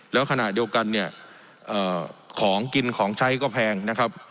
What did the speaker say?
แล้วขณะเดียวกันเนี่ยของกินของใช้ก็แพงนะครับ